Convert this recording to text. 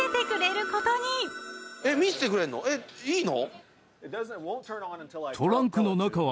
えっいいの？